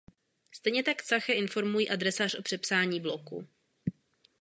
Stejně tak cache informují adresář o přepsání bloku.